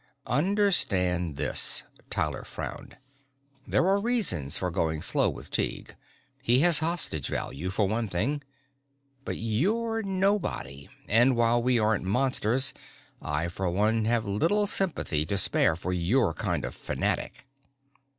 "Understand this." Tyler frowned. "There are reasons for going slow with Tighe. He has hostage value, for one thing. But you're nobody. And while we aren't monsters I for one have little sympathy to spare for your kind of fanatic."